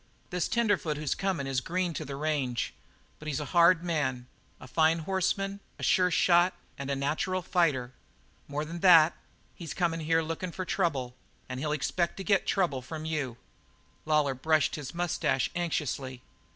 "This tenderfoot who's coming is green to the range, but he's a hard man; a fine horseman, a sure shot, and a natural fighter. More than that, he's coming here looking for trouble; and he'll expect to get the trouble from you." Lawlor brushed his moustache anxiously.